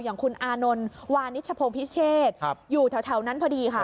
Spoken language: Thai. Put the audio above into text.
อย่างคุณอานนท์วานิชพงศ์พิเชษอยู่แถวนั้นพอดีค่ะ